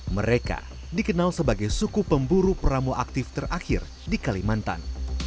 mereka dikenal sebagai suku pemburu pramo aktif terakhir di kalimantan